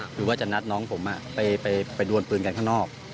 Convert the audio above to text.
คือว่าจะนัดน้องผมไปดวนปืนกันข้างนอก